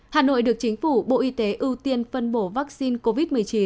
hà nội được chính phủ bộ y tế ưu tiên phân bổ vaccine covid một mươi chín